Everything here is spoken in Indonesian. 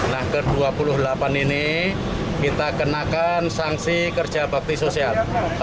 nah ke dua puluh delapan ini kita kenakan sanksi kerja bakti sosial